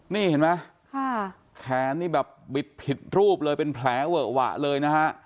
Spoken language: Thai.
นี่เห็นไหมแขนนี่แบบบิดผิดรูปเลยเป็นแผลเวอะหวะเลยนะฮะ